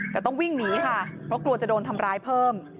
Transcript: แต่ต้องวิ่งหนีค่ะเพราะกลัวจะโดนทำร้ายเพิ่ม